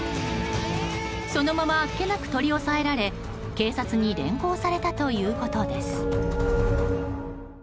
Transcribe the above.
そのままあっけなく取り押さえられ警察に連行されたということです。